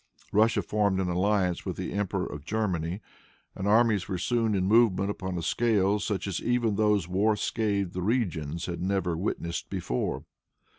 Russia formed an alliance with the Emperor of Germany, and armies were soon in movement upon a scale such as even those war scathed regions had never witnessed before.